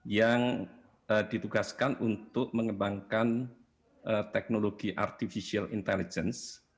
yang ditugaskan untuk mengembangkan teknologi artificial intelligence